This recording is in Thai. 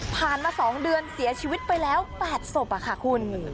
ผ่านมาสองเดือนเสียชีวิตไปแล้วแปดศพค่ะคุณ